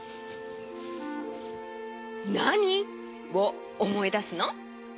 「なに」をおもいだすの？